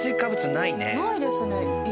ないですね。